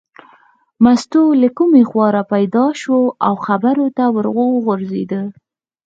مستو له کومې خوا را پیدا شوه او خبرو ته ور وغورځېده.